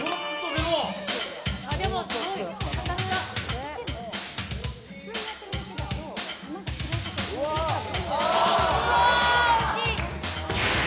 うわ惜しい。